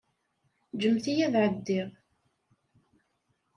Ǧǧemt-iyi ad ɛeddiɣ.